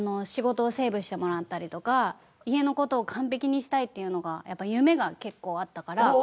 仕事をセーブしてもらったりとか家の事を完璧にしたいっていうのが夢が結構あったから。